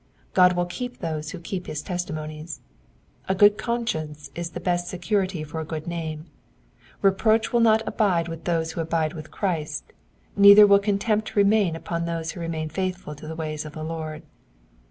God will keep those who keep his testimonies. A good conscience is the best secuiity for a good name ; reproach will not abide with those who abide with Christ, neither will contempt remain upon those who remain faithful to the ways of the Lord.